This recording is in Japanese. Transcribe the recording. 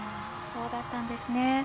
そうだったんですね。